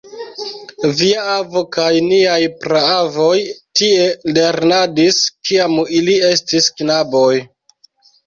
Via avo kaj niaj praavoj tie lernadis, kiam ili estis knaboj.